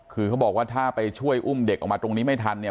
คือเขาบอกว่าถ้าไปช่วยอุ้มเด็กออกมาตรงนี้ไม่ทันเนี่ย